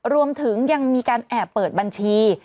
รวมถึงยังมีการแอบเปิดบัญชี